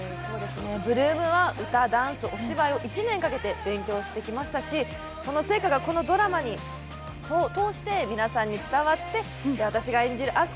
８ＬＯＯＭは歌、ダンス、お芝居を１年かけて勉強してきましたし、その成果がこのドラマを通して皆さんに伝わって、私が演じるあす